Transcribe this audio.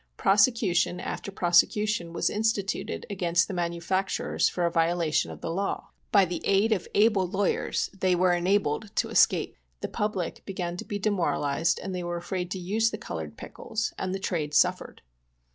Prosecution after prosecution was instituted against the manufacturers for a violation of the law. By the aid of able lawyers they were enabled to escape. The public began to be demoralized, they were afraid to use the colored pickles, and the trade suffered.